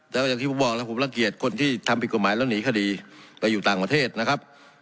แล้วก็อย่างที่ผมบอกแล้วผมรังเกียจคนที่ทำผิดกฎหมายแล้วหนีคดีไปอยู่ต่างประเทศนะครับ